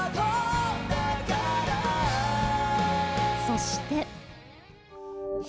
そして。